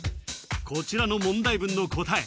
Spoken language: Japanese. こちらの問題文の答え